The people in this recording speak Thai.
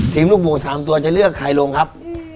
ลูกหมู๓ตัวจะเลือกใครลงครับ